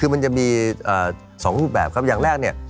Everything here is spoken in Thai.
คือมันจะมี๒รูปแบบครับอย่างแรกเนี่ย